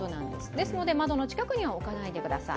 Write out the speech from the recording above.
ですので、窓の近くには置かないでください。